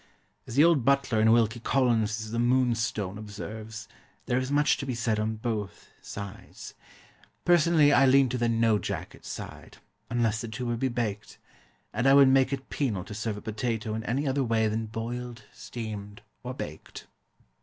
As the old butler in Wilkie Collins's The Moonstone observes, there is much to be said on both sides. Personally I lean to the "no jacket" side, unless the tuber be baked; and I would make it penal to serve a potato in any other way than boiled, steamed, or baked.